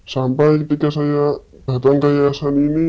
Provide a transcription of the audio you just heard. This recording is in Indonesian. sampai ketika saya datang ke yayasan ini